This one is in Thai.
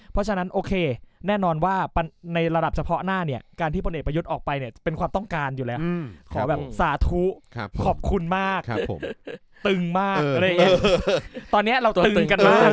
เพราะฉะนั้นโอเคแน่นอนว่าในระดับเฉพาะหน้าเนี่ยการที่พลเอกประยุทธ์ออกไปเนี่ยเป็นความต้องการอยู่แล้วขอแบบสาธุขอบคุณมากครับผมตึงมากอะไรอย่างนี้ตอนนี้เราตึงกันมาก